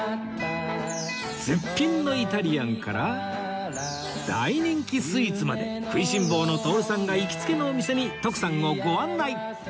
絶品のイタリアンから大人気スイーツまで食いしん坊の徹さんが行きつけのお店に徳さんをご案内